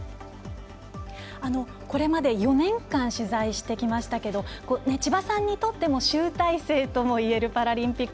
これまで４年間取材してきましたけど千葉さんにとっても集大成ともいえるパラリンピック